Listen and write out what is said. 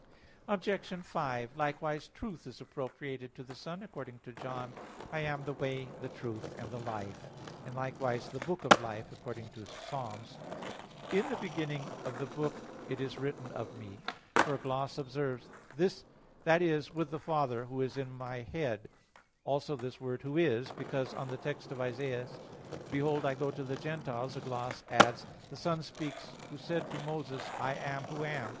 Obj. 5: Likewise, Truth is appropriated to the Son, according to John 14:6, "I am the Way, the Truth, and the Life"; and likewise "the book of life," according to Ps. 39:9, "In the beginning of the book it is written of Me," where a gloss observes, "that is, with the Father Who is My head," also this word "Who is"; because on the text of Isaias, "Behold I go to the Gentiles" (65:1), a gloss adds, "The Son speaks Who said to Moses, I am Who am."